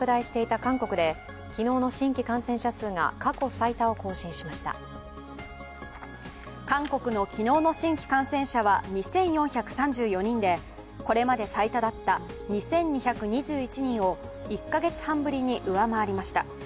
韓国の昨日の新規感染者は２４３４人でこれまで最多だった２２２１人を１カ月半ぶりに上回りました。